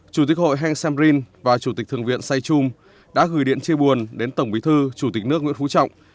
chủ tịch hội heng samrin và chủ tịch thượng viện saychum đã gửi điện chia buồn đến tổng bí thư chủ tịch nước nguyễn phú trọng